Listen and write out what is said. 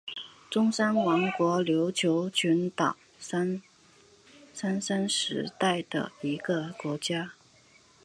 中山王国琉球群岛三山时代的一个国家。